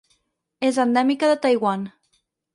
És endèmica de Taiwan.